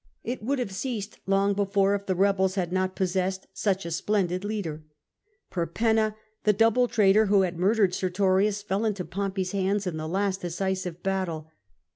It would have ceased long before, if the rebels had not possessed such a splendid leader. Perpenna, the double traitor who Imd murdered Sertorius, fell into Pompey's hands in the last decisive battle.